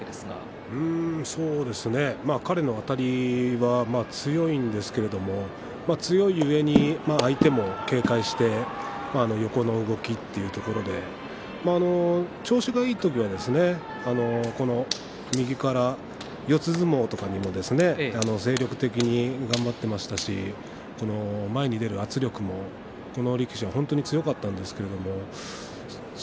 彼のあたりは強いんですけれど強い故に相手も警戒して横の動きというところで調子がいいと右から四つ相撲に精力的になっていましたし前に出る圧力もこの力士は強かったんですけど。